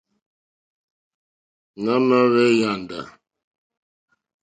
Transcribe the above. Nà mà hwé yāndá.